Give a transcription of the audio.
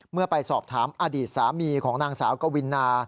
เมื่อไปสอบถามอดีตสามีของนางสาวกวินา